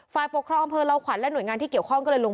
ฝ่ายปกครองอำเภอเหล่าขวัญและหน่วยงานที่เกี่ยวข้องก็เลยลง